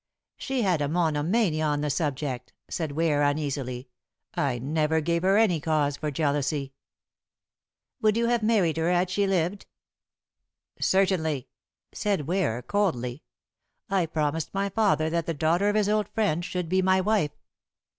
"She had a monomania on the subject," said Ware uneasily. "I never gave her any cause for jealousy." "Would you have married her had she lived?" "Certainly," said Ware coldly. "I promised my father that the daughter of his old friend should be my wife."